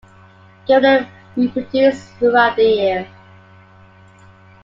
Gerenuk reproduce throughout the year.